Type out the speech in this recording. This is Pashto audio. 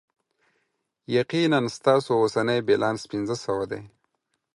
یقینا، ستاسو اوسنی بیلانس پنځه سوه دی.